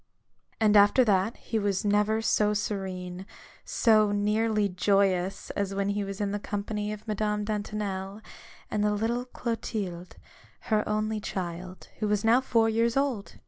And after that, he was never so serene, so nearly joyous, as when he was in the company of Madame Il6 A BOOK OF BARGAINS. Dantonel and the little Clotilde, her only child, who was now four years old.